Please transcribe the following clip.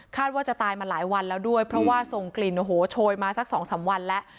ว่าจะตายมาหลายวันแล้วด้วยเพราะว่าส่งกลิ่นโอ้โหโชยมาสักสองสามวันแล้ว